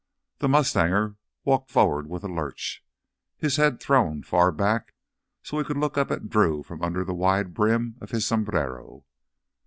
The mustanger walked forward with a lurch, his head thrown far back so he could look up at Drew from under the wide brim of his sombrero.